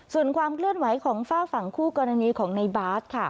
ส่วนความเคลื่อนไหวของฝ้าฝั่งคู่กรณีของในบาสค่ะ